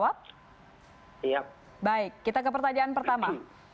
baik kita ke pertanyaan pertama